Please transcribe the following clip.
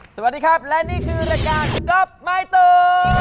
สวัสดีครับและนี่คือรายการกับไม้ตู